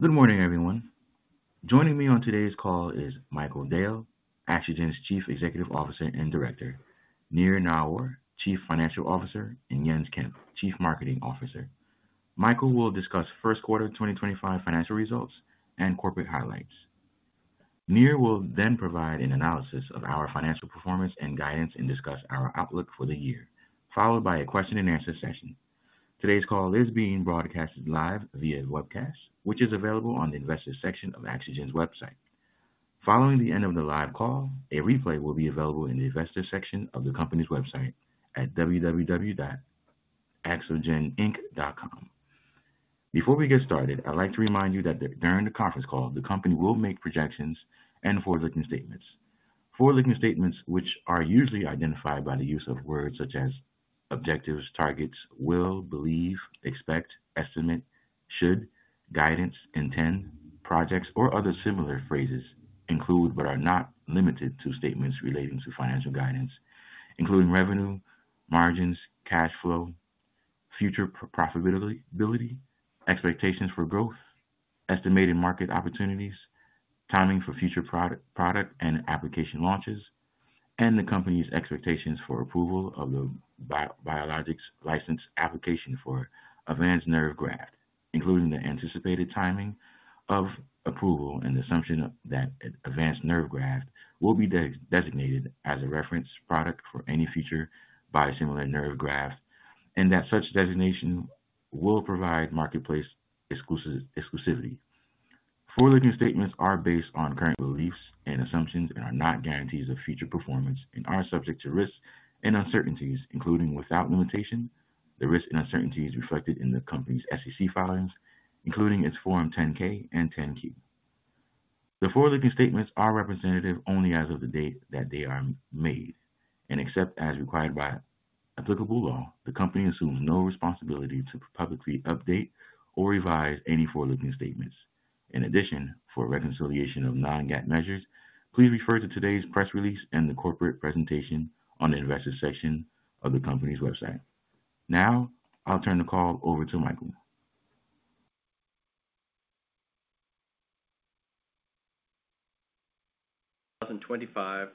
Good morning, everyone. Joining me on today's call is Michael Dale, Axogen's Chief Executive Officer and Director, Nir Naor, Chief Financial Officer, and Jens Kemp, Chief Marketing Officer. Michael will discuss first quarter 2025 financial results and corporate highlights. Nir will then provide an analysis of our financial performance and guidance and discuss our outlook for the year, followed by a question and answer session. Today's call is being broadcast live via webcast, which is available on the Investor's section of Axogen's website. Following the end of the live call, a replay will be available in the Investor's section of the company's website at www.axogencompany.com. Before we get started, I'd like to remind you that during the conference call, the company will make projections and forward-looking statements. Forward-looking statements, which are usually identified by the use of words such as objectives, targets, will, believe, expect, estimate, should, guidance, intend, projects, or other similar phrases, include but are not limited to statements relating to financial guidance, including revenue, margins, cash flow, future profitability, expectations for growth, estimated market opportunities, timing for future product and application launches, and the company's expectations for approval of the biologics license application for Avance Nerve Graft, including the anticipated timing of approval and assumption that Avance Nerve Graft will be designated as a reference product for any future biosimilar nerve graft, and that such designation will provide marketplace exclusivity. Forward-looking statements are based on current beliefs and assumptions and are not guarantees of future performance and are subject to risks and uncertainties, including without limitation, the risks and uncertainties reflected in the company's SEC filings, including its Form 10-K and 10-Q. The forward-looking statements are representative only as of the date that they are made, and except as required by applicable law, the company assumes no responsibility to publicly update or revise any forward-looking statements. In addition, for reconciliation of non-GAAP measures, please refer to today's press release and the corporate presentation on the Investor's section of the company's website. Now, I'll turn the call over to Michael. 2025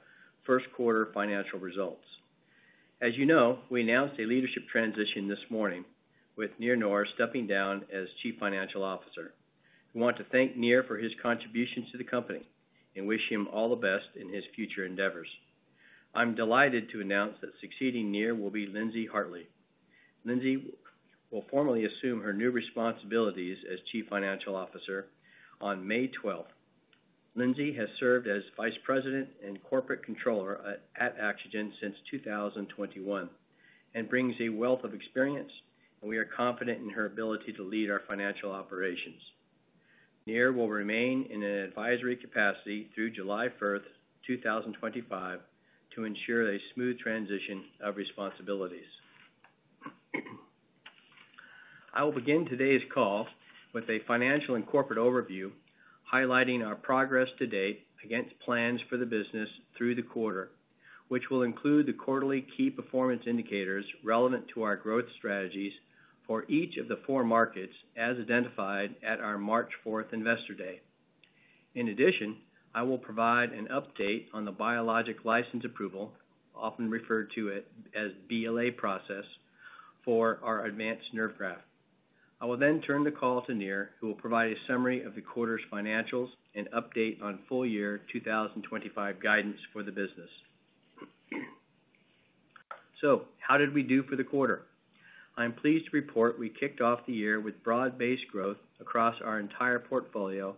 first quarter financial results. As you know, we announced a leadership transition this morning with Nir Naor stepping down as Chief Financial Officer. I want to thank Nir for his contributions to the company and wish him all the best in his future endeavors. I'm delighted to announce that succeeding Nir will be Lindsey Hartley. Lindsey will formally assume her new responsibilities as Chief Financial Officer on May 12th. Lindsey has served as Vice President and Corporate Controller at Axogen since 2021 and brings a wealth of experience, and we are confident in her ability to lead our financial operations. Nir will remain in an advisory capacity through July 1st, 2025, to ensure a smooth transition of responsibilities. I will begin today's call with a financial and corporate overview, highlighting our progress to date against plans for the business through the quarter, which will include the quarterly key performance indicators relevant to our growth strategies for each of the four markets as identified at our March 4th Investor Day. In addition, I will provide an update on the biologic license approval, often referred to as BLA process, for our Avance Nerve Graft. I will then turn the call to Nir, who will provide a summary of the quarter's financials and update on full-year 2025 guidance for the business. How did we do for the quarter? I'm pleased to report we kicked off the year with broad-based growth across our entire portfolio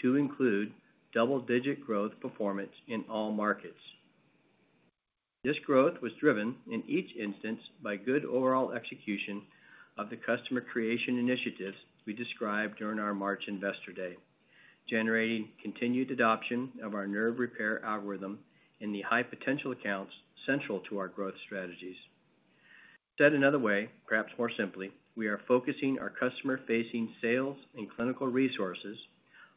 to include double-digit growth performance in all markets. This growth was driven, in each instance, by good overall execution of the customer creation initiatives we described during our March Investor Day, generating continued adoption of our nerve repair algorithm and the high-potential accounts central to our growth strategies. Said another way, perhaps more simply, we are focusing our customer-facing sales and clinical resources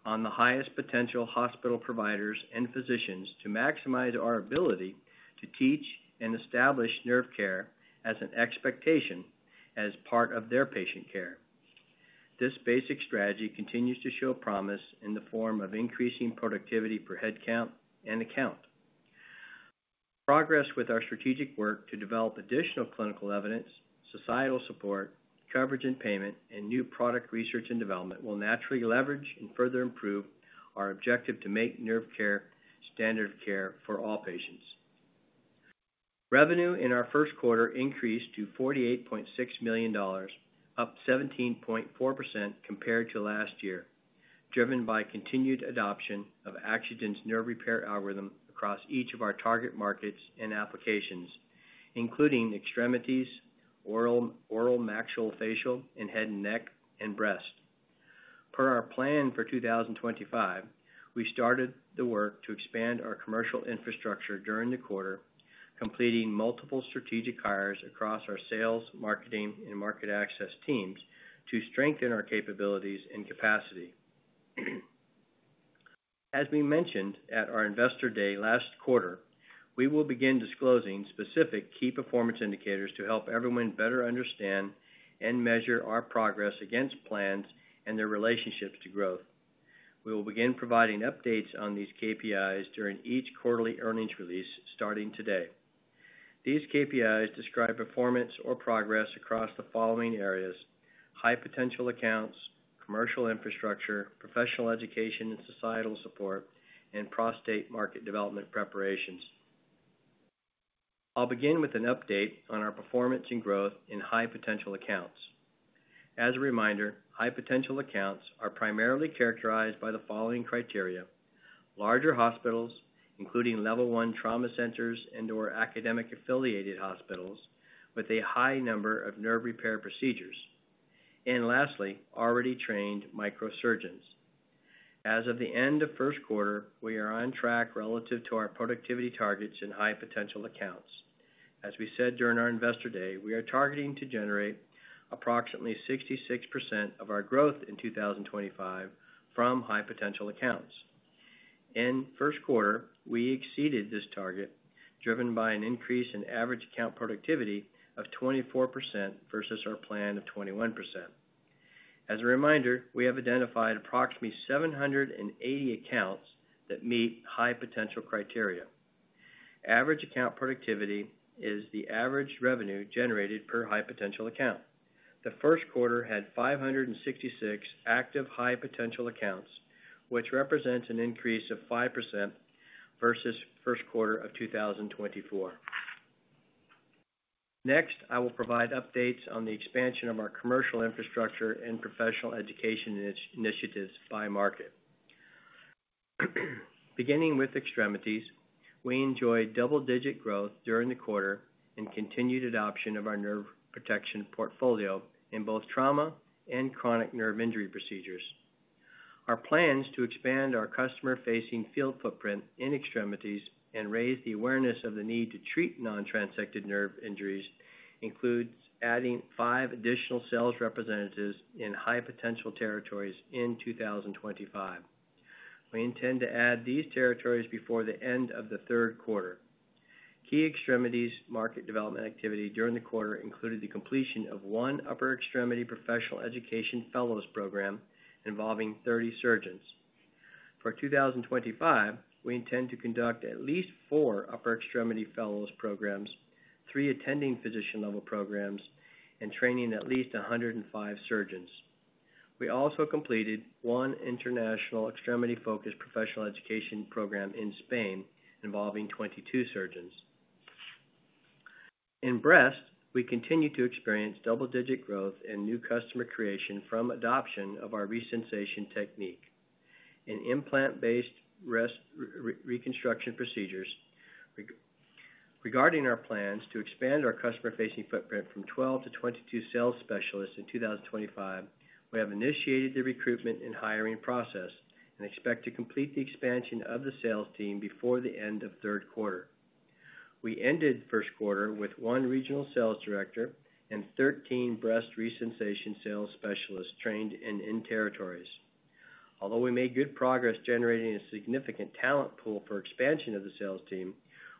on the highest potential hospital providers and physicians to maximize our ability to teach and establish nerve care as an expectation as part of their patient care. This basic strategy continues to show promise in the form of increasing productivity for headcount and account. Progress with our strategic work to develop additional clinical evidence, societal support, coverage and payment, and new product research and development will naturally leverage and further improve our objective to make nerve care standard of care for all patients. Revenue in our first quarter increased to $48.6 million, up 17.4% compared to last year, driven by continued adoption of Axogen's nerve repair algorithm across each of our target markets and applications, including extremities, oral-maxillofacial, and head and neck and breast. Per our plan for 2025, we started the work to expand our commercial infrastructure during the quarter, completing multiple strategic hires across our sales, marketing, and market access teams to strengthen our capabilities and capacity. As we mentioned at our Investor Day last quarter, we will begin disclosing specific key performance indicators to help everyone better understand and measure our progress against plans and their relationships to growth. We will begin providing updates on these KPIs during each quarterly earnings release starting today. These KPIs describe performance or progress across the following areas: high-potential accounts, commercial infrastructure, professional education and societal support, and prostate market development preparations. I'll begin with an update on our performance and growth in high-potential accounts. As a reminder, high-potential accounts are primarily characterized by the following criteria: larger hospitals, including level one trauma centers and/or academic-affiliated hospitals with a high number of nerve repair procedures, and lastly, already trained microsurgeons. As of the end of first quarter, we are on track relative to our productivity targets in high-potential accounts. As we said during our Investor Day, we are targeting to generate approximately 66% of our growth in 2025 from high-potential accounts. In first quarter, we exceeded this target, driven by an increase in average account productivity of 24% versus our plan of 21%. As a reminder, we have identified approximately 780 accounts that meet high-potential criteria. Average account productivity is the average revenue generated per high-potential account. The first quarter had 566 active high-potential accounts, which represents an increase of 5% versus first quarter of 2024. Next, I will provide updates on the expansion of our commercial infrastructure and professional education initiatives by market. Beginning with extremities, we enjoyed double-digit growth during the quarter and continued adoption of our nerve protection portfolio in both trauma and chronic nerve injury procedures. Our plans to expand our customer-facing field footprint in extremities and raise the awareness of the need to treat non-transected nerve injuries include adding five additional sales representatives in high-potential territories in 2025. We intend to add these territories before the end of the third quarter. Key extremities market development activity during the quarter included the completion of one upper extremity professional education fellows program involving 30 surgeons. For 2025, we intend to conduct at least four upper extremity fellows programs, three attending physician-level programs, and training at least 105 surgeons. We also completed one international extremity-focused professional education program in Spain involving 22 surgeons. In breast, we continue to experience double-digit growth and new customer creation from adoption of our ReSensation technique and implant-based reconstruction procedures. Regarding our plans to expand our customer-facing footprint from 12 to 22 sales specialists in 2025, we have initiated the recruitment and hiring process and expect to complete the expansion of the sales team before the end of third quarter. We ended first quarter with one regional sales director and 13 breast ReSensation sales specialists trained in in-territories. Although we made good progress generating a significant talent pool for expansion of the sales team,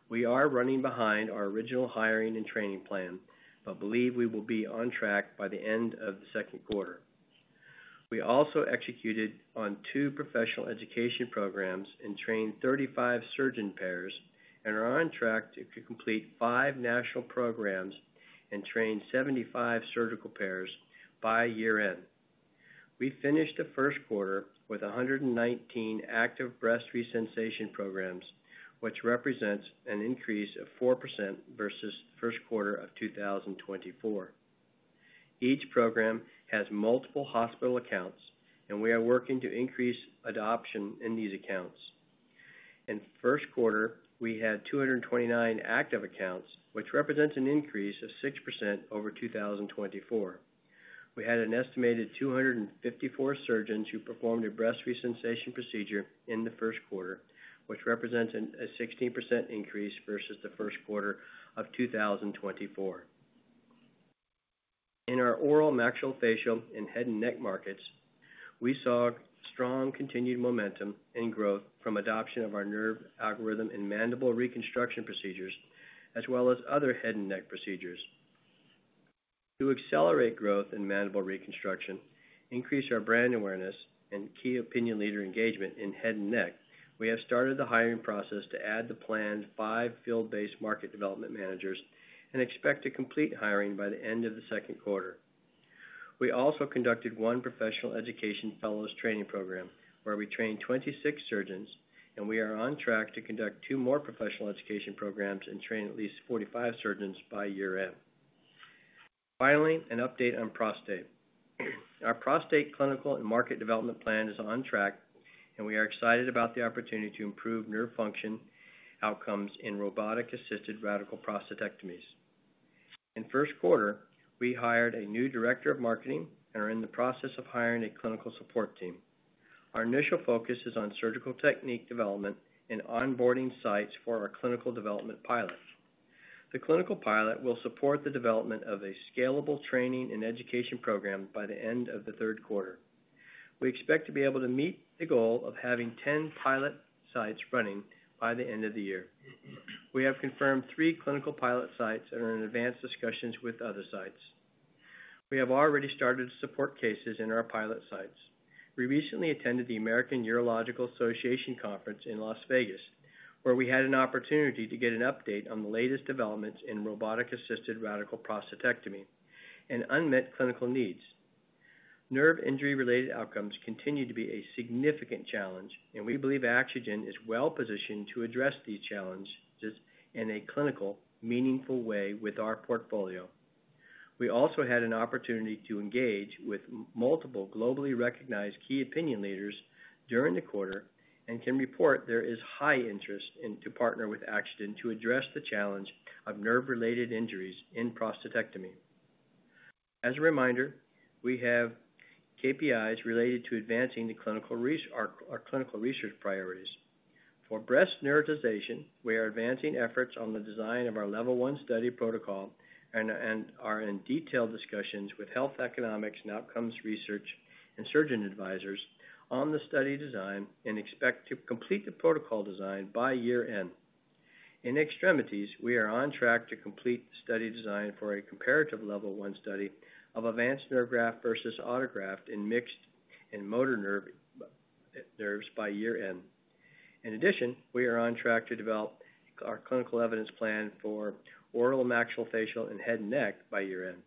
we are running behind our original hiring and training plan but believe we will be on track by the end of the second quarter. We also executed on two professional education programs and trained 35 surgeon pairs and are on track to complete five national programs and train 75 surgical pairs by year-end. We finished the first quarter with 119 active breast re-sensation programs, which represents an increase of 4% versus first quarter of 2024. Each program has multiple hospital accounts, and we are working to increase adoption in these accounts. In first quarter, we had 229 active accounts, which represents an increase of 6% over 2024. We had an estimated 254 surgeons who performed a breast re-sensation procedure in the first quarter, which represents a 16% increase versus the first quarter of 2024. In our oral-maxillofacial and head and neck markets, we saw strong continued momentum and growth from adoption of our nerve algorithm and mandible reconstruction procedures, as well as other head and neck procedures. To accelerate growth in mandible reconstruction, increase our brand awareness, and key opinion leader engagement in head and neck, we have started the hiring process to add the planned five field-based market development managers and expect to complete hiring by the end of the second quarter. We also conducted one professional education fellows training program where we trained 26 surgeons, and we are on track to conduct two more professional education programs and train at least 45 surgeons by year-end. Finally, an update on prostate. Our prostate clinical and market development plan is on track, and we are excited about the opportunity to improve nerve function outcomes in robotic-assisted radical prostatectomies. In first quarter, we hired a new Director of Marketing and are in the process of hiring a clinical support team. Our initial focus is on surgical technique development and onboarding sites for our clinical development pilot. The clinical pilot will support the development of a scalable training and education program by the end of the third quarter. We expect to be able to meet the goal of having 10 pilot sites running by the end of the year. We have confirmed three clinical pilot sites and are in advanced discussions with other sites. We have already started support cases in our pilot sites. We recently attended the American Urological Association Conference in Las Vegas, where we had an opportunity to get an update on the latest developments in robotic-assisted radical prostatectomy and unmet clinical needs. Nerve injury-related outcomes continue to be a significant challenge, and we believe Axogen is well-positioned to address these challenges in a clinical, meaningful way with our portfolio. We also had an opportunity to engage with multiple globally recognized key opinion leaders during the quarter and can report there is high interest to partner with Axogen to address the challenge of nerve-related injuries in prostatectomy. As a reminder, we have KPIs related to advancing our clinical research priorities. For breast nerveization, we are advancing efforts on the design of our level one study protocol and are in detailed discussions with health economics and outcomes research and surgeon advisors on the study design and expect to complete the protocol design by year-end. In extremities, we are on track to complete the study design for a comparative level one study of Avance Nerve Graft versus autograft in mixed and motor nerves by year-end. In addition, we are on track to develop our clinical evidence plan for oral-maxillofacial and head and neck by year-end.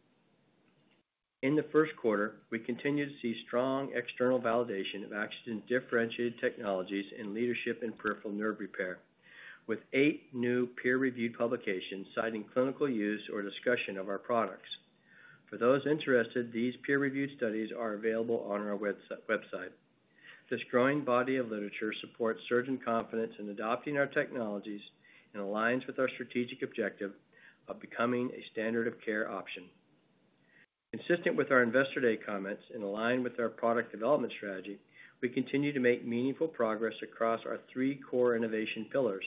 In the first quarter, we continue to see strong external validation of Axogen's differentiated technologies in leadership and peripheral nerve repair, with eight new peer-reviewed publications citing clinical use or discussion of our products. For those interested, these peer-reviewed studies are available on our website. This growing body of literature supports surgeon confidence in adopting our technologies and aligns with our strategic objective of becoming a standard of care option. Consistent with our Investor Day comments and aligned with our product development strategy, we continue to make meaningful progress across our three core innovation pillars.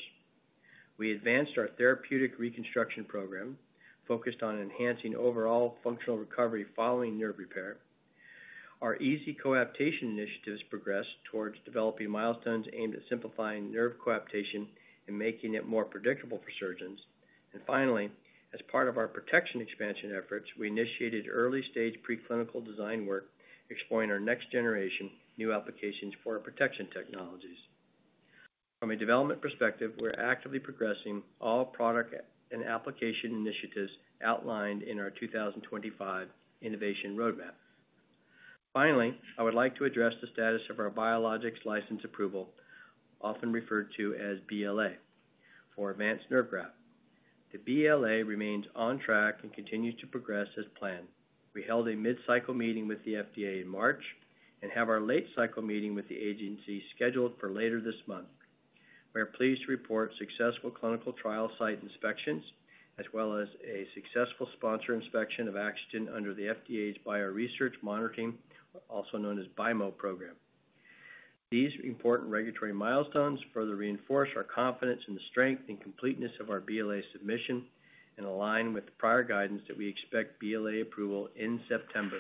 We advanced our therapeutic reconstruction program, focused on enhancing overall functional recovery following nerve repair. Our easy coaptation initiatives progressed towards developing milestones aimed at simplifying nerve coaptation and making it more predictable for surgeons. Finally, as part of our protection expansion efforts, we initiated early-stage preclinical design work, exploring our next-generation new applications for our protection technologies. From a development perspective, we're actively progressing all product and application initiatives outlined in our 2025 innovation roadmap. Finally, I would like to address the status of our biologics license approval, often referred to as BLA, for Avance Nerve Graft. The BLA remains on track and continues to progress as planned. We held a mid-cycle meeting with the FDA in March and have our late-cycle meeting with the agency scheduled for later this month. We are pleased to report successful clinical trial site inspections, as well as a successful sponsor inspection of Axogen under the FDA's Bioresearch Monitoring, also known as BIMO, program. These important regulatory milestones further reinforce our confidence in the strength and completeness of our BLA submission and align with prior guidance that we expect BLA approval in September.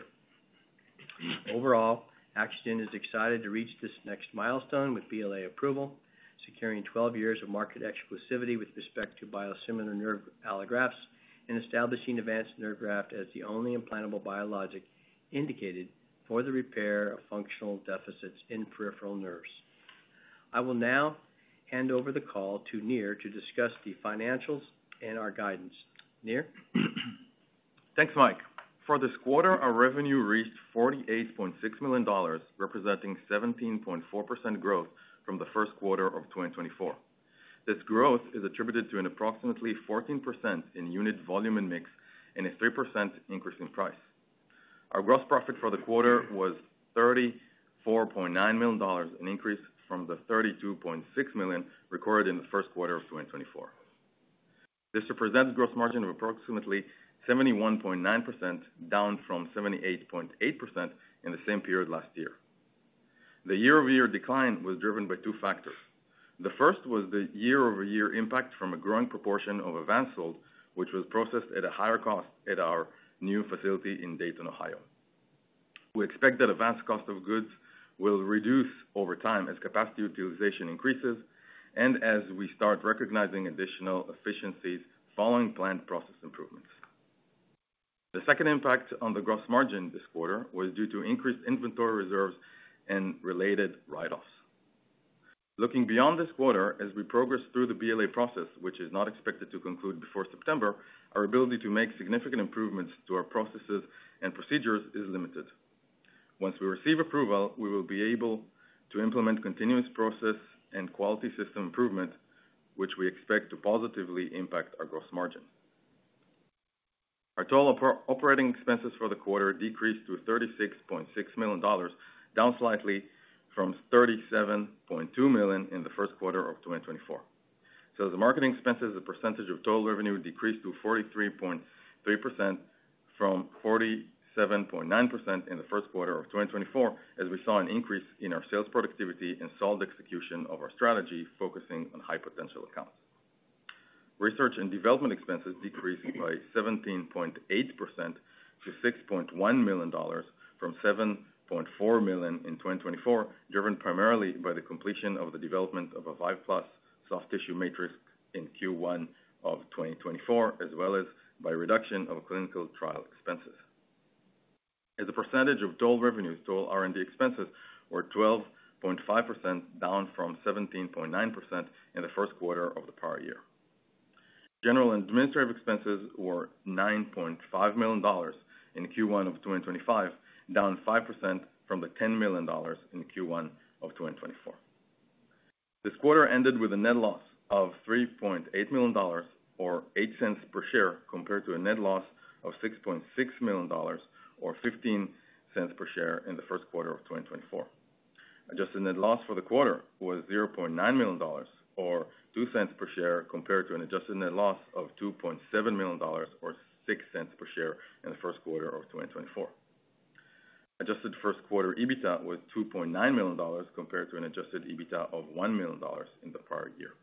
Overall, Axogen is excited to reach this next milestone with BLA approval, securing 12 years of market exclusivity with respect to biosimilar nerve allografts and establishing Avance Nerve Graft as the only implantable biologic indicated for the repair of functional deficits in peripheral nerves. I will now hand over the call to Nir to discuss the financials and our guidance. Nir? Thanks, Mike. For this quarter, our revenue reached $48.6 million, representing 17.4% growth from the first quarter of 2024. This growth is attributed to an approximately 14% in unit volume and mix and a 3% increase in price. Our gross profit for the quarter was $34.9 million, an increase from the $32.6 million recorded in the first quarter of 2024. This represents a gross margin of approximately 71.9%, down from 78.8% in the same period last year. The year over year decline was driven by two factors. The first was the year over year impact from a growing proportion of Avance sold, which was processed at a higher cost at our new facility in Dayton, Ohio. We expect that Avance cost of goods will reduce over time as capacity utilization increases and as we start recognizing additional efficiencies following planned process improvements. The second impact on the gross margin this quarter was due to increased inventory reserves and related write-offs. Looking beyond this quarter, as we progress through the BLA process, which is not expected to conclude before September, our ability to make significant improvements to our processes and procedures is limited. Once we receive approval, we will be able to implement continuous process and quality system improvement, which we expect to positively impact our gross margin. Our total operating expenses for the quarter decreased to $36.6 million, down slightly from $37.2 million in the first quarter of 2024. As the marketing expenses, the percentage of total revenue decreased to 43.3% from 47.9% in the first quarter of 2024, as we saw an increase in our sales productivity and solid execution of our strategy, focusing on high-potential accounts. Research and development expenses decreased by 17.8% to $6.1 million from $7.4 million in 2024, driven primarily by the completion of the development of a 5-plus cm soft tissue matrix in Q1 of 2024, as well as by reduction of clinical trial expenses. As a percentage of total revenues, total R&D expenses were 12.5%, down from 17.9% in the first quarter of the prior year. General and administrative expenses were $9.5 million in Q1 of 2025, down 5% from the $10 million in Q1 of 2024. This quarter ended with a net loss of $3.8 million, or $0.08 per share, compared to a net loss of $6.6 million, or $0.15 per share in the first quarter of 2024. Adjusted net loss for the quarter was $0.9 million, or $0.02 per share, compared to an adjusted net loss of $2.7 million, or $0.06 per share in the first quarter of 2024. Adjusted first quarter EBITDA was $2.9 million, compared to an adjusted EBITDA of $1 million in the prior year.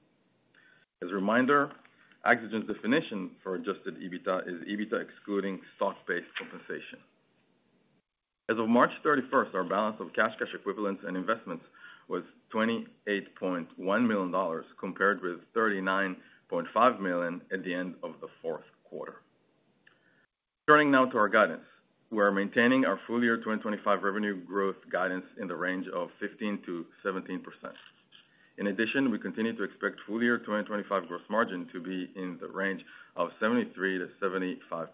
As a reminder, Axogen's definition for adjusted EBITDA is EBITDA excluding stock-based compensation. As of March 31, our balance of cash, cash equivalents, and investments was $28.1 million, compared with $39.5 million at the end of the fourth quarter. Turning now to our guidance, we are maintaining our full year 2025 revenue growth guidance in the range of 15% to 17%. In addition, we continue to expect full year 2025 gross margin to be in the range of 73% to 75%.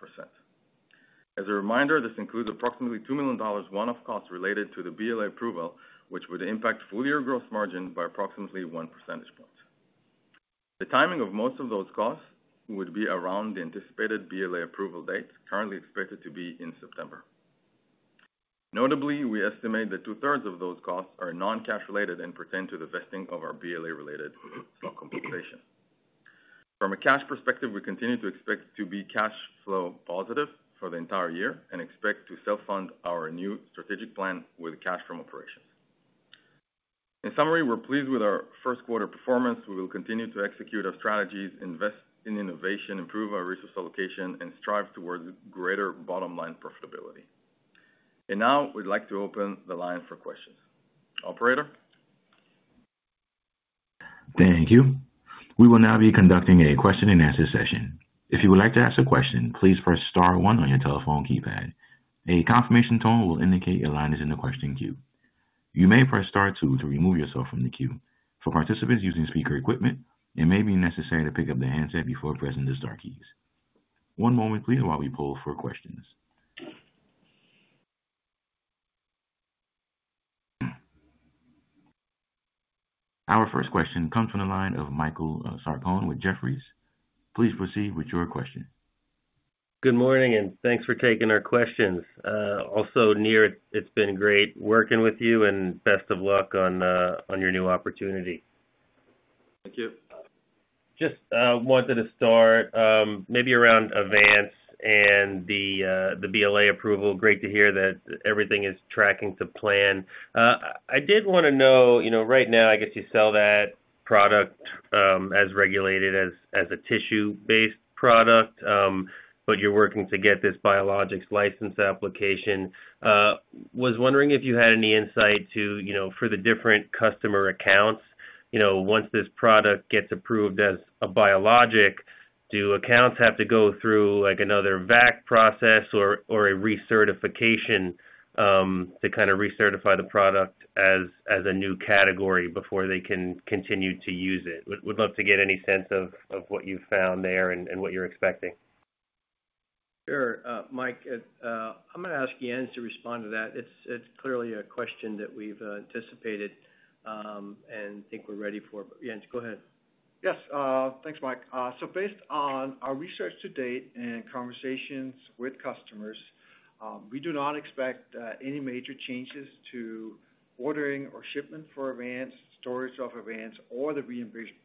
As a reminder, this includes approximately $2 million one-off costs related to the BLA approval, which would impact full year gross margin by approximately 1 percentage point. The timing of most of those costs would be around the anticipated BLA approval date, currently expected to be in September. Notably, we estimate that two-thirds of those costs are non-cash related and pertain to the vesting of our BLA-related stock compensation. From a cash perspective, we continue to expect to be cash flow positive for the entire year and expect to self-fund our new strategic plan with cash from operations. In summary, we're pleased with our first quarter performance. We will continue to execute our strategies, invest in innovation, improve our resource allocation, and strive towards greater bottom line profitability. We would now like to open the line for questions. Operator? Thank you. We will now be conducting a question-and-answer session. If you would like to ask a question, please press star one on your telephone keypad. A confirmation tone will indicate your line is in the question queue. You may press star two to remove yourself from the queue. For participants using speaker equipment, it may be necessary to pick up the handset before pressing the star keys. One moment, please, while we pull for questions. Our first question comes from the line of Michael Sarcone with Jefferies. Please proceed with your question. Good morning, and thanks for taking our questions. Also, Nir, it's been great working with you, and best of luck on your new opportunity. Thank you. Just wanted to start maybe around Avance and the BLA approval. Great to hear that everything is tracking to plan. I did want to know, right now, I guess you sell that product as regulated as a tissue-based product, but you're working to get this Biologics License Application. Was wondering if you had any insight for the different customer accounts. Once this product gets approved as a biologic, do accounts have to go through another VAC process or a recertification to kind of recertify the product as a new category before they can continue to use it? Would love to get any sense of what you've found there and what you're expecting. Sure. Mike, I'm going to ask Jens to respond to that. It's clearly a question that we've anticipated and think we're ready for. Jens, go ahead. Yes. Thanks, Mike. So based on our research to date and conversations with customers, we do not expect any major changes to ordering or shipment for Avance, storage of Avance, or the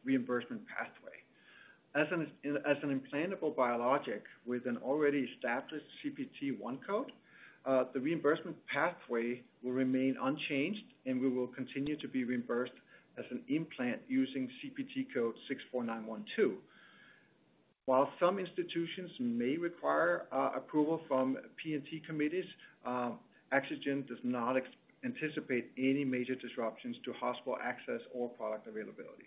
reimbursement pathway. As an implantable biologic with an already established CPT 1 code, the reimbursement pathway will remain unchanged, and we will continue to be reimbursed as an implant using CPT code 64912. While some institutions may require approval from P&T committees, Axogen does not anticipate any major disruptions to hospital access or product availability.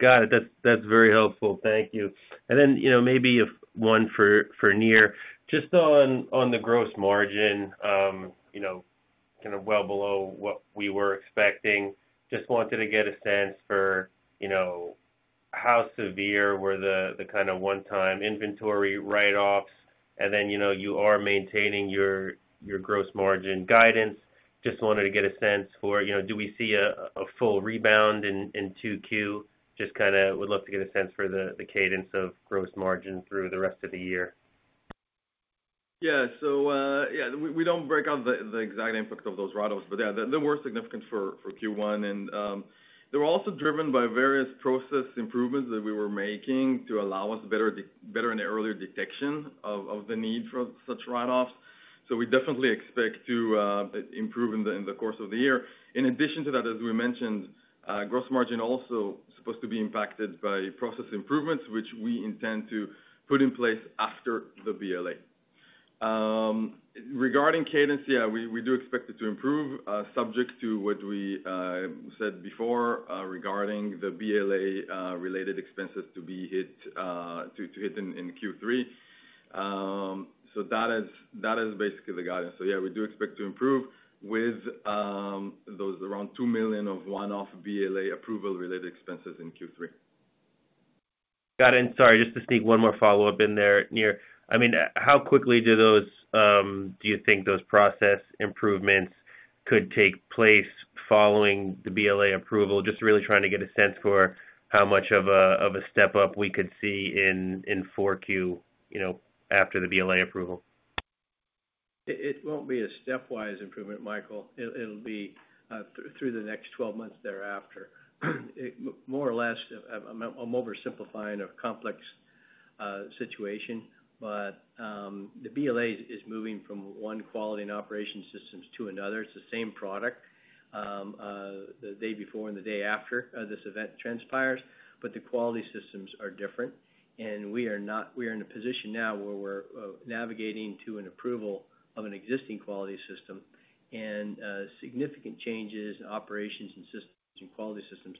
Got it. That's very helpful. Thank you. Maybe one for Nir. Just on the gross margin, kind of well below what we were expecting, just wanted to get a sense for how severe were the kind of one-time inventory write-offs, and then you are maintaining your gross margin guidance. Just wanted to get a sense for do we see a full rebound in Q2? Just kind of would love to get a sense for the cadence of gross margin through the rest of the year. Yeah. So yeah, we do not break out the exact impact of those write-offs, but yeah, they were significant for Q1. They were also driven by various process improvements that we were making to allow us better and earlier detection of the need for such write-offs. We definitely expect to improve in the course of the year. In addition to that, as we mentioned, gross margin also is supposed to be impacted by process improvements, which we intend to put in place after the BLA. Regarding cadence, yeah, we do expect it to improve, subject to what we said before regarding the BLA-related expenses to be hit in Q3. That is basically the guidance. Yeah, we do expect to improve with those around $2 million of one-off BLA approval-related expenses in Q3. Got it. Sorry, just to sneak one more follow-up in there, Nir. I mean, how quickly do you think those process improvements could take place following the BLA approval? Just really trying to get a sense for how much of a step-up we could see in Q4 after the BLA approval. It won't be a stepwise improvement, Michael. It'll be through the next 12 months thereafter. More or less, I'm oversimplifying a complex situation, but the BLA is moving from one quality and operation systems to another. It's the same product the day before and the day after this event transpires, but the quality systems are different. We are in a position now where we're navigating to an approval of an existing quality system. Significant changes in operations and systems and quality systems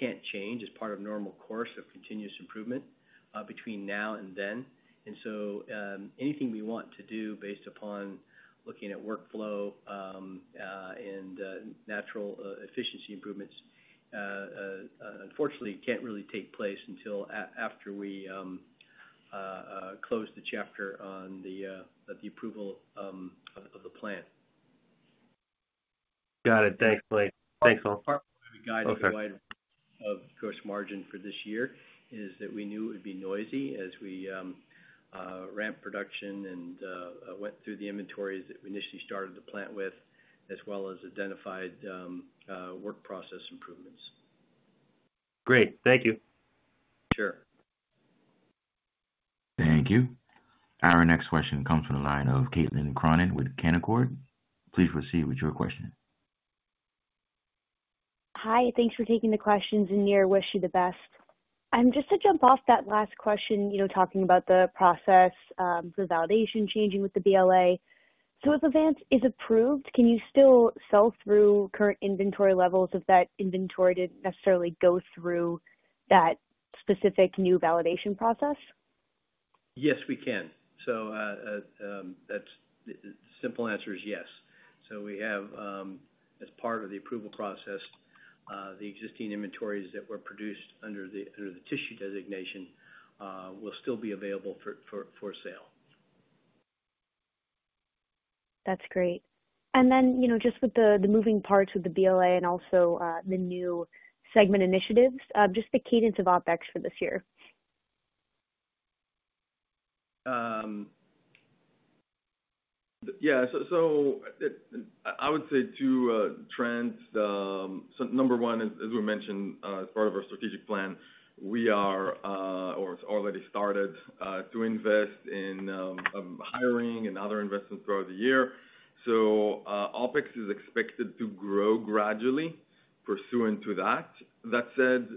can't change as part of normal course of continuous improvement between now and then. Anything we want to do based upon looking at workflow and natural efficiency improvements, unfortunately, can't really take place until after we close the chapter on the approval of the plant. Got it. Thanks, Mike. Thanks, all. Our part of the guidance of gross margin for this year is that we knew it would be noisy as we ramped production and went through the inventories that we initially started the plant with, as well as identified work process improvements. Great. Thank you. Sure. Thank you. Our next question comes from the line of Caitlin Cronin with Canaccord Genuity. Please proceed with your question. Hi. Thanks for taking the questions, and Nir, I wish you the best. I'm just to jump off that last question, talking about the process for validation changing with the BLA. If Avance is approved, can you still sell through current inventory levels if that inventory did not necessarily go through that specific new validation process? Yes, we can. The simple answer is yes. We have, as part of the approval process, the existing inventories that were produced under the tissue designation will still be available for sale. That's great. And then just with the moving parts of the BLA and also the new segment initiatives, just the cadence of OPEX for this year. Yeah. I would say two trends. Number one, as we mentioned, as part of our strategic plan, we are, or it's already started, to invest in hiring and other investments throughout the year. OPEX is expected to grow gradually, pursuant to that. That said,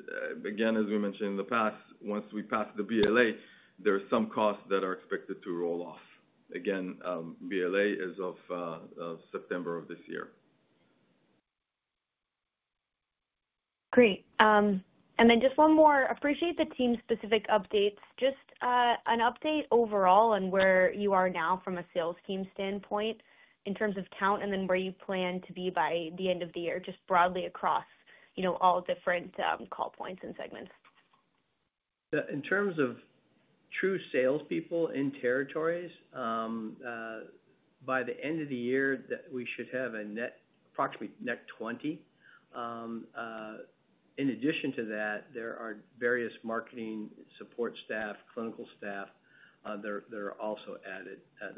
again, as we mentioned in the past, once we pass the BLA, there are some costs that are expected to roll off. Again, BLA as of September of this year. Great. And then just one more. Appreciate the team-specific updates. Just an update overall on where you are now from a sales team standpoint in terms of count and then where you plan to be by the end of the year, just broadly across all different call points and segments. In terms of true salespeople in territories, by the end of the year, we should have approximately net 20. In addition to that, there are various marketing support staff, clinical staff that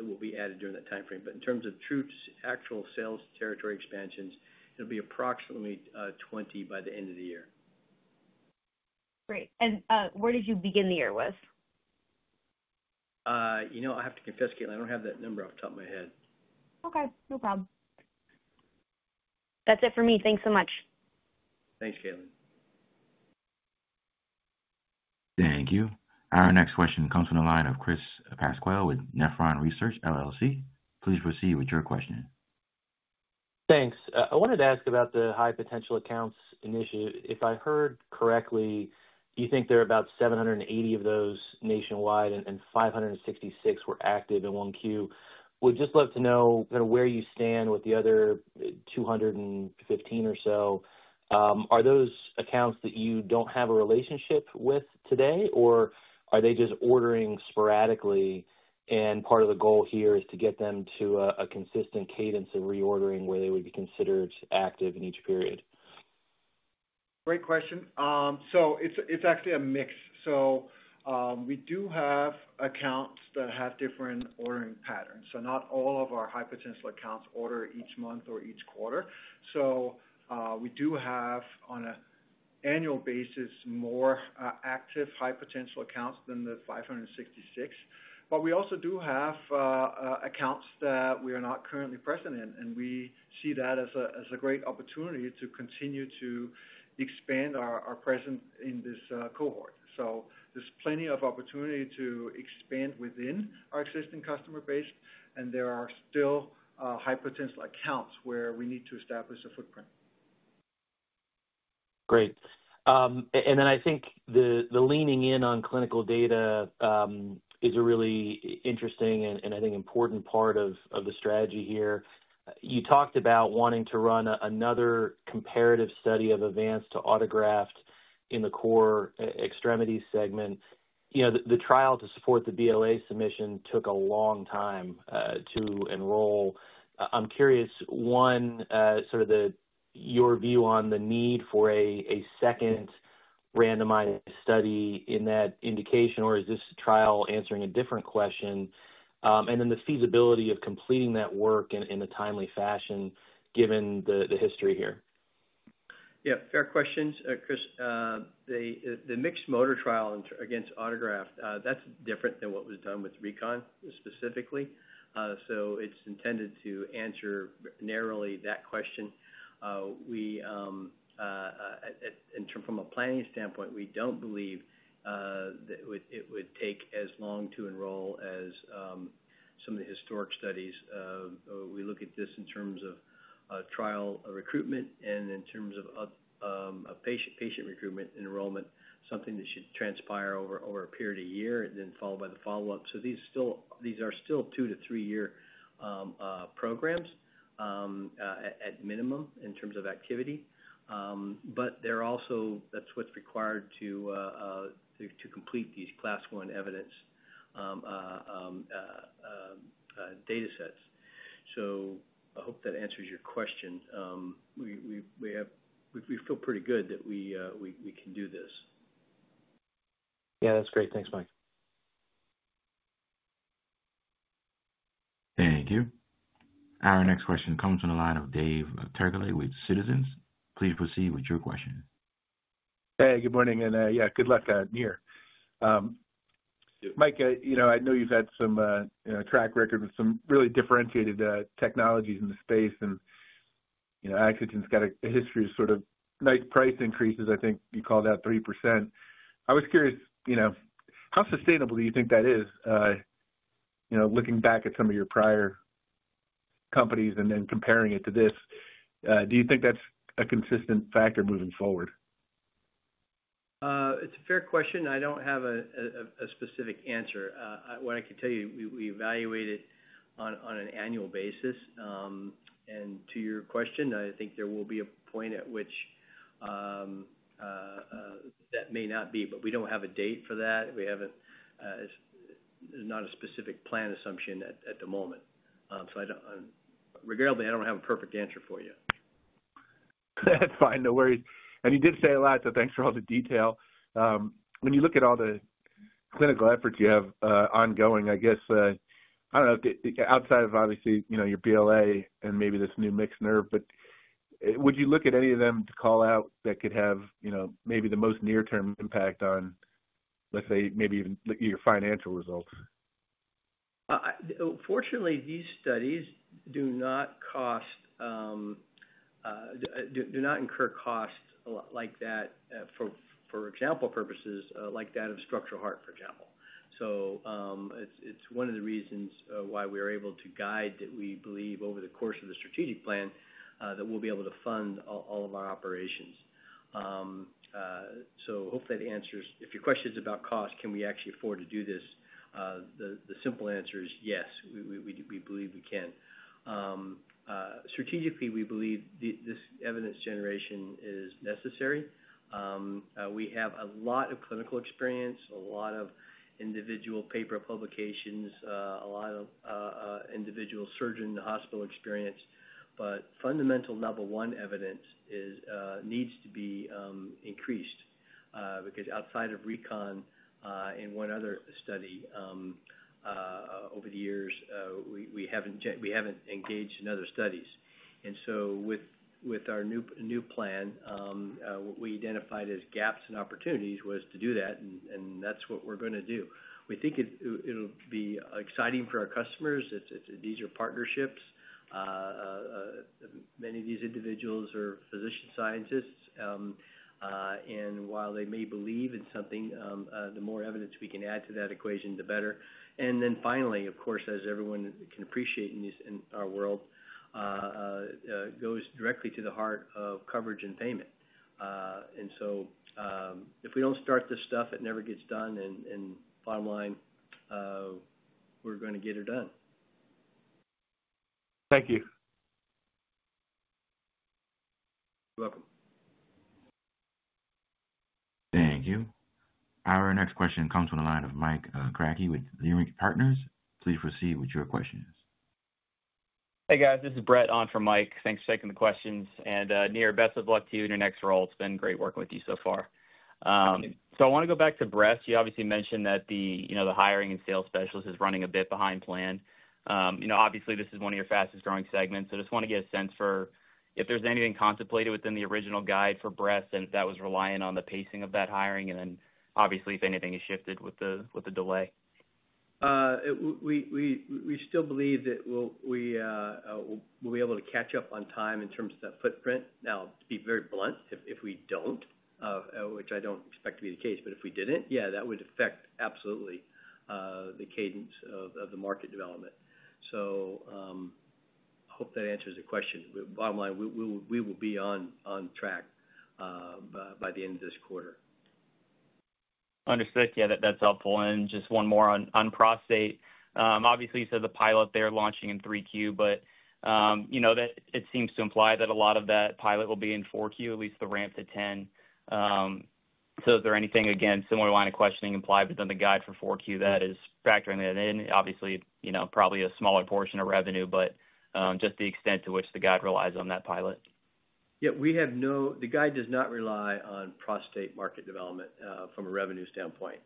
will be added during that timeframe. In terms of true actual sales territory expansions, it'll be approximately 20 by the end of the year. Great. Where did you begin the year with? I have to confess, Caitlin, I don't have that number off the top of my head. Okay. No problem. That's it for me. Thanks so much. Thanks, Caitlin. Thank you. Our next question comes from the line of Chris Pasquale with Nephron Research LLC. Please proceed with your question. Thanks. I wanted to ask about the high-potential accounts initiative. If I heard correctly, you think there are about 780 of those nationwide and 566 were active in one queue. We'd just love to know kind of where you stand with the other 215 or so. Are those accounts that you don't have a relationship with today, or are they just ordering sporadically? Part of the goal here is to get them to a consistent cadence of reordering where they would be considered active in each period. Great question. It is actually a mix. We do have accounts that have different ordering patterns. Not all of our high-potential accounts order each month or each quarter. We do have, on an annual basis, more active high-potential accounts than the 566. We also have accounts that we are not currently present in. We see that as a great opportunity to continue to expand our presence in this cohort. There is plenty of opportunity to expand within our existing customer base. There are still high-potential accounts where we need to establish a footprint. Great. I think the leaning in on clinical data is a really interesting and, I think, important part of the strategy here. You talked about wanting to run another comparative study of Avance to autograft in the core extremity segment. The trial to support the BLA submission took a long time to enroll. I'm curious, one, sort of your view on the need for a second randomized study in that indication, or is this trial answering a different question? The feasibility of completing that work in a timely fashion, given the history here. Yeah. Fair questions, Chris. The mixed motor trial against autograft, that's different than what was done with RECON specifically. So it's intended to answer narrowly that question. From a planning standpoint, we don't believe that it would take as long to enroll as some of the historic studies. We look at this in terms of trial recruitment and in terms of patient recruitment and enrollment, something that should transpire over a period of a year, then followed by the follow-up. These are still two- to three-year programs at minimum in terms of activity. That's what's required to complete these Class 1 evidence data sets. I hope that answers your question. We feel pretty good that we can do this. Yeah, that's great. Thanks, Mike. Thank you. Our next question comes from the line of David Turkaly with Citizens. Please proceed with your question. Hey, good morning. Yeah, good luck, Nir. Mike, I know you've had some track record with some really differentiated technologies in the space. And Axogen's got a history of sort of nice price increases. I think you called out 3%. I was curious, how sustainable do you think that is? Looking back at some of your prior companies and then comparing it to this, do you think that's a consistent factor moving forward? It's a fair question. I don't have a specific answer. What I can tell you, we evaluate it on an annual basis. To your question, I think there will be a point at which that may not be, but we don't have a date for that. There's not a specific plan assumption at the moment. Regardless, I don't have a perfect answer for you. That's fine. No worries. You did say a lot, so thanks for all the detail. When you look at all the clinical efforts you have ongoing, I guess, I don't know, outside of obviously your BLA and maybe this new mixed nerve, would you look at any of them to call out that could have maybe the most near-term impact on, let's say, maybe even your financial results? Fortunately, these studies do not incur costs like that, for example, purposes like that of structural heart, for example. It is one of the reasons why we are able to guide that we believe over the course of the strategic plan that we'll be able to fund all of our operations. Hopefully, that answers if your question is about cost, can we actually afford to do this? The simple answer is yes. We believe we can. Strategically, we believe this evidence generation is necessary. We have a lot of clinical experience, a lot of individual paper publications, a lot of individual surgeon hospital experience. At a fundamental level, level one evidence needs to be increased because outside of RECON and one other study over the years, we haven't engaged in other studies. With our new plan, what we identified as gaps and opportunities was to do that. That is what we are going to do. We think it will be exciting for our customers. These are partnerships. Many of these individuals are physician scientists. While they may believe in something, the more evidence we can add to that equation, the better. Finally, of course, as everyone can appreciate in our world, it goes directly to the heart of coverage and payment. If we do not start this stuff, it never gets done. Bottom line, we are going to get it done. Thank you. You're welcome. Thank you. Our next question comes from the line of Mike Kratky with Leerink Partners. Please proceed with your questions. Hey, guys. This is Brett on for Mike. Thanks for taking the questions. And Nir, best of luck to you in your next role. It's been great working with you so far. I want to go back to Brett's. You obviously mentioned that the hiring and sales specialist is running a bit behind plan. Obviously, this is one of your fastest-growing segments. I just want to get a sense for if there's anything contemplated within the original guide for Brett's and if that was reliant on the pacing of that hiring, and then obviously, if anything has shifted with the delay. We still believe that we will be able to catch up on time in terms of that footprint. Now, to be very blunt, if we do not, which I do not expect to be the case, but if we did not, yeah, that would affect absolutely the cadence of the market development. I hope that answers the question. Bottom line, we will be on track by the end of this quarter. Understood. Yeah, that's helpful. And just one more on prostate. Obviously, you said the pilot they're launching in 3Q, but it seems to imply that a lot of that pilot will be in 4Q, at least the ramp to 10. So is there anything, again, similar line of questioning implied within the guide for 4Q that is factoring that in? Obviously, probably a smaller portion of revenue, but just the extent to which the guide relies on that pilot. Yeah. The guide does not rely on prostate market development from a revenue standpoint.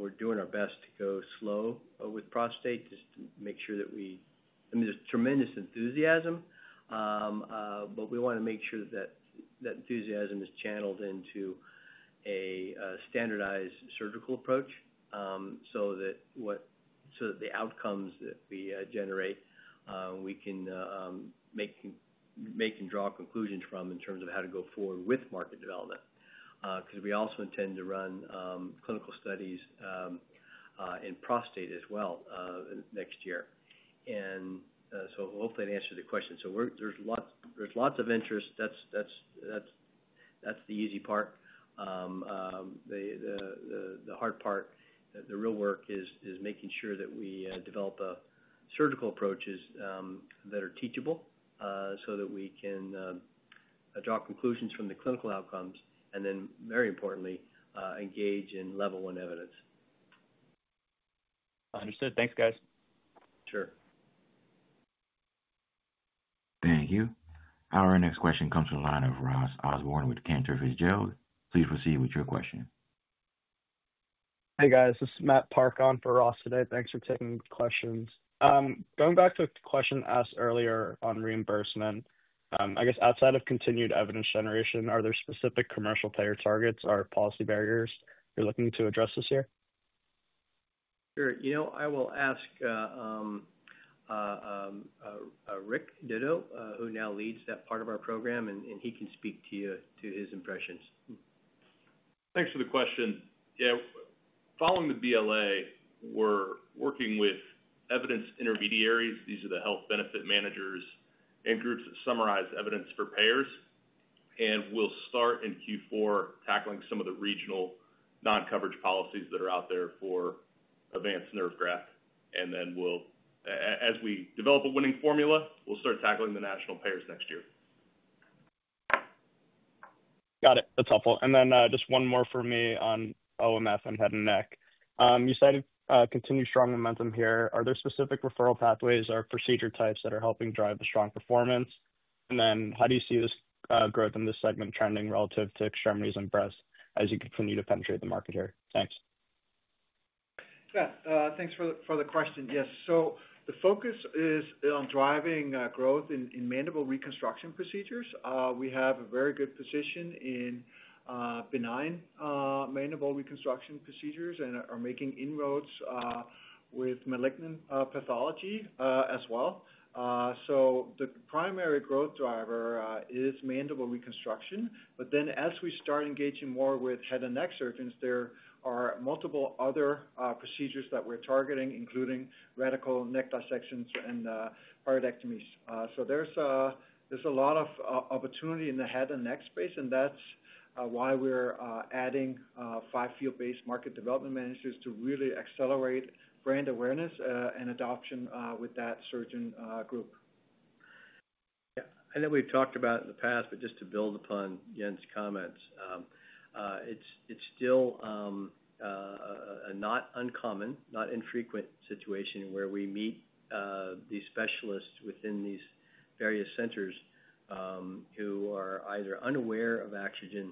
We're doing our best to go slow with prostate just to make sure that we, I mean, there's tremendous enthusiasm, but we want to make sure that that enthusiasm is channeled into a standardized surgical approach so that the outcomes that we generate, we can make and draw conclusions from in terms of how to go forward with market development. Because we also intend to run clinical studies in prostate as well next year. Hopefully, that answers the question. There's lots of interest. That's the easy part. The hard part, the real work, is making sure that we develop surgical approaches that are teachable so that we can draw conclusions from the clinical outcomes and then, very importantly, engage in level one evidence. Understood. Thanks, guys. Sure. Thank you. Our next question comes from the line of Ross Osborne with Cantor Fitzgerald. Please proceed with your question. Hey, guys. This is Matt Park on for Ross today. Thanks for taking questions. Going back to a question asked earlier on reimbursement, I guess outside of continued evidence generation, are there specific commercial payer targets or policy barriers you're looking to address this year? Sure. I will ask Rick Ditto, who now leads that part of our program, and he can speak to his impressions. Thanks for the question. Yeah. Following the BLA, we're working with evidence intermediaries. These are the health benefit managers and groups that summarize evidence for payers. We'll start in Q4 tackling some of the regional non-coverage policies that are out there for Avance Nerve Graft. As we develop a winning formula, we'll start tackling the national payers next year. Got it. That's helpful. Just one more for me on OMF and head and neck. You cited continued strong momentum here. Are there specific referral pathways or procedure types that are helping drive the strong performance? How do you see this growth in this segment trending relative to extremities and breasts as you continue to penetrate the market here? Thanks. Yeah. Thanks for the question. Yes. The focus is on driving growth in mandible reconstruction procedures. We have a very good position in benign mandible reconstruction procedures and are making inroads with malignant pathology as well. The primary growth driver is mandible reconstruction. As we start engaging more with head and neck surgeons, there are multiple other procedures that we're targeting, including radical neck dissections and parotidectomies. There is a lot of opportunity in the head and neck space, and that's why we're adding five field-based market development managers to really accelerate brand awareness and adoption with that surgeon group. Yeah. I know we've talked about it in the past, but just to build upon Jens' comments, it's still a not uncommon, not infrequent situation where we meet these specialists within these various centers who are either unaware of Axogen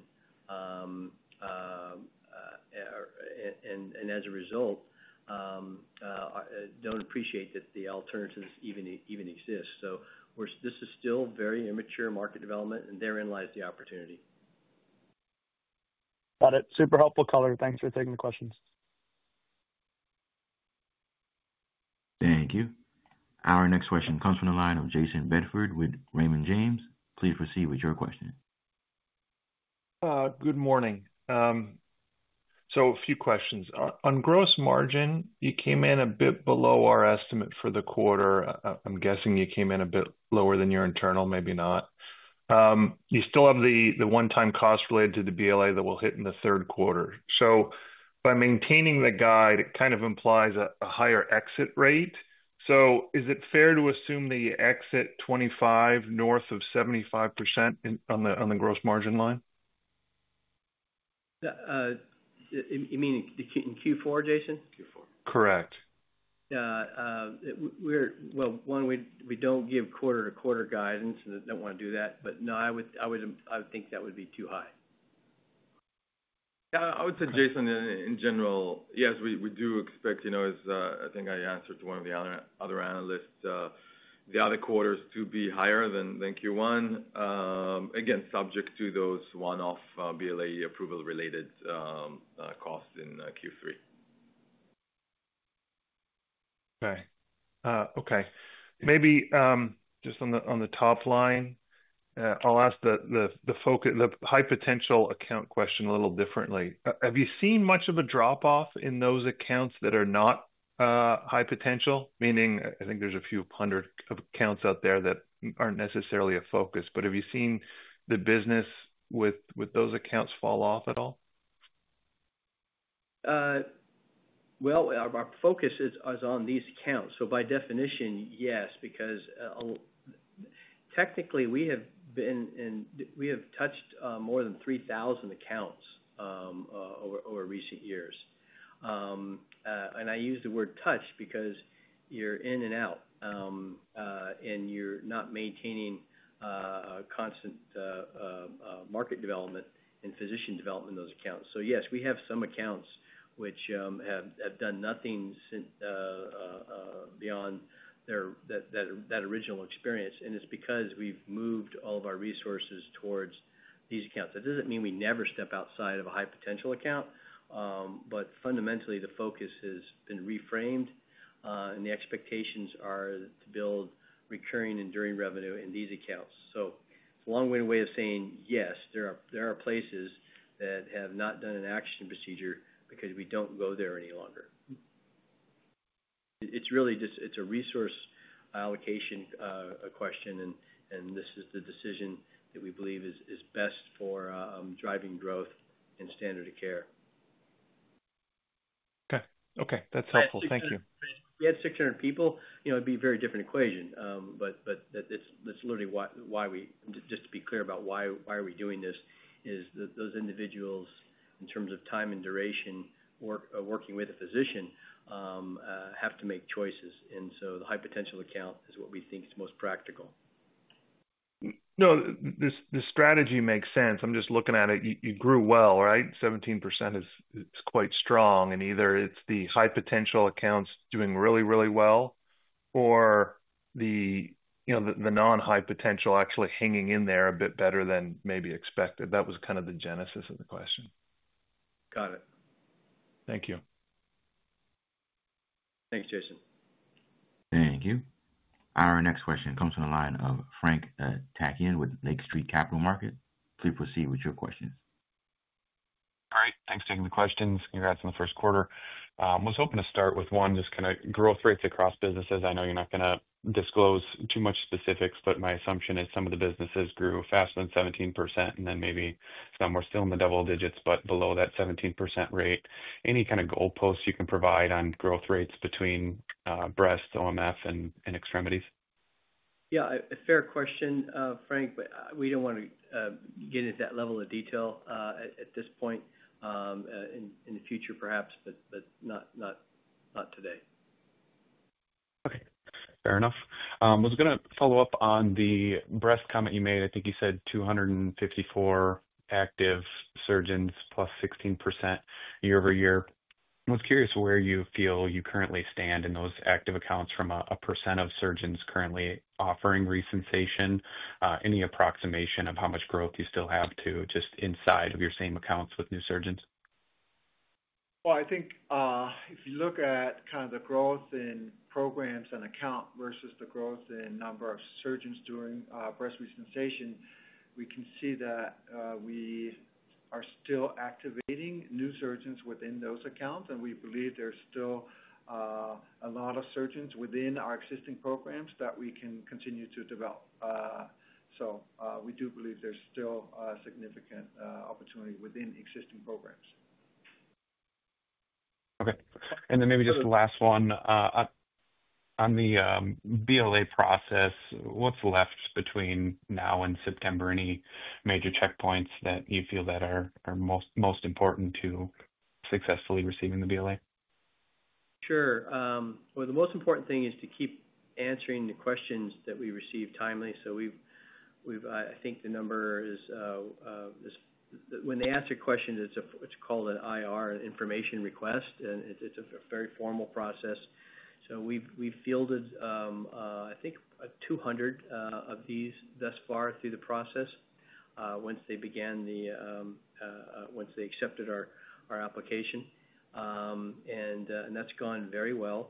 and, as a result, don't appreciate that the alternatives even exist. This is still very immature market development, and therein lies the opportunity. Got it. Super helpful color. Thanks for taking the questions. Thank you. Our next question comes from the line of Jason Bedford with Raymond James. Please proceed with your question. Good morning. So a few questions. On gross margin, you came in a bit below our estimate for the quarter. I'm guessing you came in a bit lower than your internal, maybe not. You still have the one-time cost related to the BLA that will hit in the third quarter. So by maintaining the guide, it kind of implies a higher exit rate. Is it fair to assume that you exit 2025 north of 75% on the gross margin line? You mean in Q4, Jason? Correct. Yeah. One, we do not give quarter-to-quarter guidance, and I do not want to do that. No, I would think that would be too high. Yeah. I would say, Jason, in general, yes, we do expect, as I think I answered to one of the other analysts, the other quarters to be higher than Q1, again, subject to those one-off BLA approval-related costs in Q3. Okay. Okay. Maybe just on the top line, I'll ask the high-potential account question a little differently. Have you seen much of a drop-off in those accounts that are not high-potential? Meaning, I think there's a few hundred accounts out there that aren't necessarily a focus. Have you seen the business with those accounts fall off at all? Our focus is on these accounts. By definition, yes, because technically, we have been in, we have touched more than 3,000 accounts over recent years. I use the word touch because you're in and out, and you're not maintaining constant market development and physician development in those accounts. Yes, we have some accounts which have done nothing beyond that original experience. It's because we've moved all of our resources towards these accounts. That does not mean we never step outside of a high-potential account. Fundamentally, the focus has been reframed, and the expectations are to build recurring and enduring revenue in these accounts. It's a long-winded way of saying, yes, some places have not done an action procedure because we do not go there any longer. It's really just a resource allocation question, and this is the decision that we believe is best for driving growth in standard of care. Okay. Okay. That's helpful. Thank you. If you had 600 people, it'd be a very different equation. That is literally why, just to be clear about why are we doing this, is those individuals, in terms of time and duration working with a physician, have to make choices. The high-potential account is what we think is most practical. No, the strategy makes sense. I'm just looking at it. You grew well, right? 17% is quite strong. Either it's the high-potential accounts doing really, really well or the non-high-potential actually hanging in there a bit better than maybe expected. That was kind of the genesis of the question. Got it. Thank you. Thanks, Jason. Thank you. Our next question comes from the line of Frank Takkinen with Lake Street Capital Markets. Please proceed with your questions. Great. Thanks for taking the questions. Congrats on the first quarter. I was hoping to start with one, just kind of growth rates across businesses. I know you're not going to disclose too much specifics, but my assumption is some of the businesses grew faster than 17%, and then maybe some were still in the double digits, but below that 17% rate. Any kind of goalposts you can provide on growth rates between breast, OMF, and extremities? Yeah. A fair question, Frank, but we do not want to get into that level of detail at this point. In the future, perhaps, but not today. Okay. Fair enough. I was going to follow up on the breast comment you made. I think you said 254 active surgeons plus 16% year over year. I was curious where you feel you currently stand in those active accounts from a percent of surgeons currently offering re-sensation. Any approximation of how much growth you still have to just inside of your same accounts with new surgeons? I think if you look at kind of the growth in programs and accounts versus the growth in number of surgeons doing breast re-sensation, we can see that we are still activating new surgeons within those accounts, and we believe there is still a lot of surgeons within our existing programs that we can continue to develop. We do believe there is still significant opportunity within existing programs. Okay. And then maybe just the last one. On the BLA process, what's left between now and September? Any major checkpoints that you feel that are most important to successfully receiving the BLA? Sure. The most important thing is to keep answering the questions that we receive timely. I think the number is when they answer questions, it's called an IR, an information request, and it's a very formal process. We've fielded, I think, 200 of these thus far through the process once they accepted our application. That's gone very well.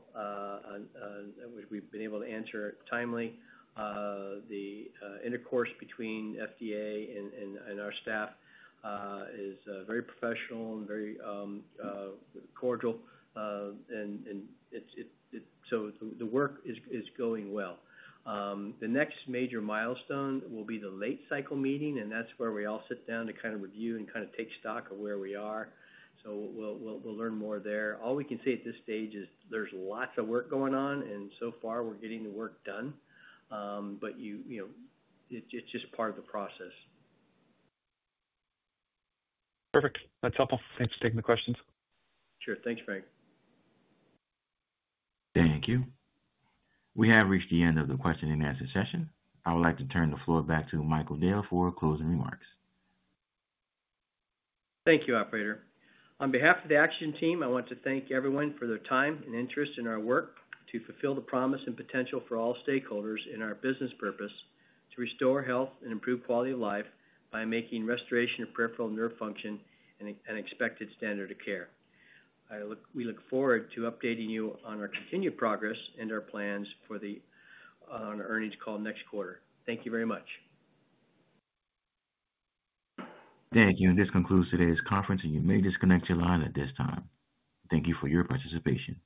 We've been able to answer it timely. The intercourse between FDA and our staff is very professional and very cordial. The work is going well. The next major milestone will be the late-cycle meeting, and that's where we all sit down to kind of review and kind of take stock of where we are. We'll learn more there. All we can say at this stage is there's lots of work going on, and so far, we're getting the work done, but it's just part of the process. Perfect. That's helpful. Thanks for taking the questions. Sure. Thanks, Frank. Thank you. We have reached the end of the question and answer session. I would like to turn the floor back to Michael Dale for closing remarks. Thank you, operator. On behalf of the Axogen team, I want to thank everyone for their time and interest in our work to fulfill the promise and potential for all stakeholders in our business purpose to restore health and improve quality of life by making restoration of peripheral nerve function an expected standard of care. We look forward to updating you on our continued progress and our plans for the earnings call next quarter. Thank you very much. Thank you. This concludes today's conference, and you may disconnect your line at this time. Thank you for your participation.